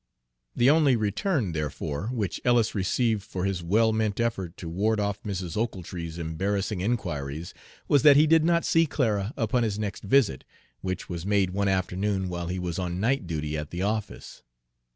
The only return, therefore, which Ellis received for his well meant effort to ward off Mrs. Ochiltree's embarrassing inquiries was that he did not see Clara upon his next visit, which was made one afternoon while he was on night duty at the office.